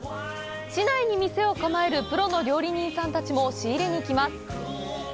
市内に店を構えるプロの料理人さんたちも仕入れに来ます。